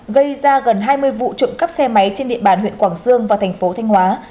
gây ra gần hai mươi vụ trộm cắp xe máy trên địa bàn huyện quảng sương và thành phố thanh hóa